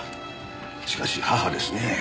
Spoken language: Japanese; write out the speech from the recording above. しかし母ですね。